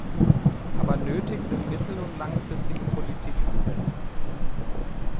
Aber nötig sind mittel- und langfristige Politikansätze.